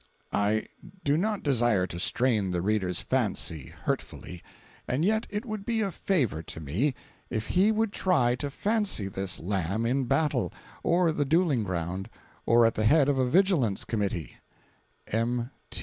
[I do not desire to strain the reader's fancy, hurtfully, and yet it would be a favor to me if he would try to fancy this lamb in battle, or the duelling ground or at the head of a vigilance committee—M.